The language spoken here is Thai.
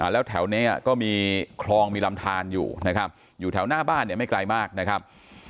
แล้วแถวนี้ก็มีคลองมีลำทานอยู่นะครับอยู่แถวหน้าบ้านเนี่ยไม่ไกลมากนะครับ